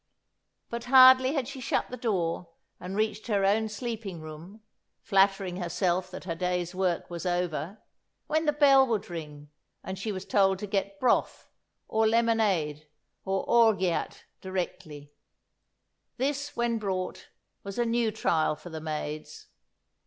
But hardly had she shut the door and reached her own sleeping room, flattering herself that her day's work was over, when the bell would ring, and she was told to get broth or lemonade or orgeat directly. This, when brought, was a new trial for the maids.